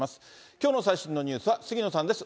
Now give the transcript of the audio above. きょうの最新のニュースは杉野さんです。